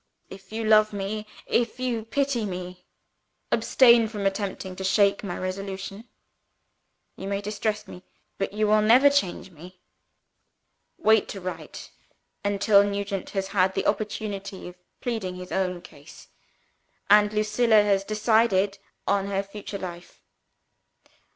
If you love me, if you pity me, abstain from attempting to shake my resolution. You may distress me but you will never change me. Wait to write, until Nugent has had the opportunity of pleading his own cause, and Lucilla has decided on her future life.